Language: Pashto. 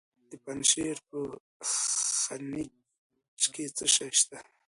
د پنجشیر په خینج کې څه شی شته؟